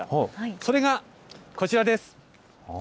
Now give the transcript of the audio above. それがこちらです。